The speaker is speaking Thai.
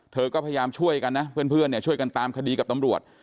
เธอก็พยายามช่วยกันนะเพื่อนช่วยกันตามคดีกับตำรวจ